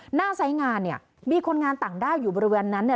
หน้าไซส์งานเนี่ยมีคนงานต่างด้าวอยู่บริเวณนั้นเนี่ย